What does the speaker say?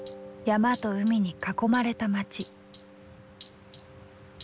山と海に囲まれた街。